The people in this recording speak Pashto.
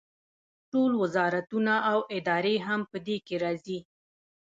ټول وزارتونه او ادارې هم په دې کې راځي.